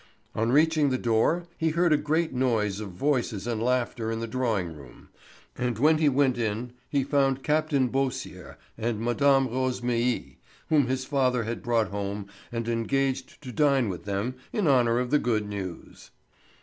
On reaching the door he heard a great noise of voices and laughter in the drawing room, and when he went in he found Captain Beausire and Mme. Rosémilly, whom his father had brought home and engaged to dine with them in honour of the good news.